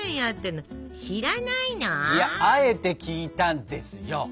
いやあえて聞いたんですよ。